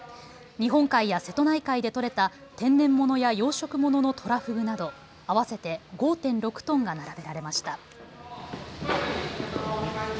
日本海や瀬戸内海で取れた天然物や養殖物のトラフグなど合わせて５．６トンが並べられました。